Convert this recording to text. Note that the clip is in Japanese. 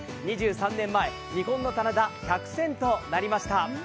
２３年前、日本の棚田百選となりました。